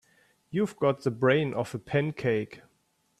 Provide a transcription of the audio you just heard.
You've got the brain of a pancake.